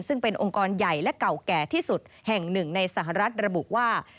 ซึ่งเป็นองค์กรใหญ่และเก่าแก่ที่สุดแห่งหนึ่งในสหรัฐระบุว่า